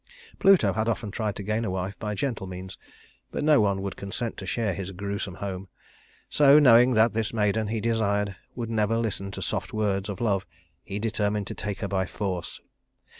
Pluto had often tried to gain a wife by gentle means, but no one would consent to share his grewsome home; so, knowing that this maiden he desired would never listen to soft words of love, he determined to take her by force.